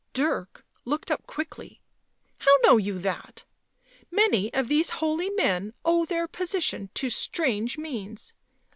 Dirk looked up quickly. "How know you that? Many of these holy men owe their position to strange means.